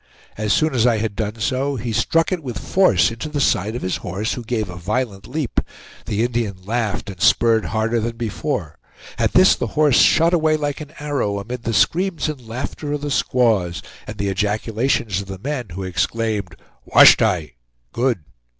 As soon as I had done so, he struck it with force into the side of his horse, who gave a violent leap. The Indian laughed and spurred harder than before. At this the horse shot away like an arrow, amid the screams and laughter of the squaws, and the ejaculations of the men, who exclaimed: "Washtay! Good!"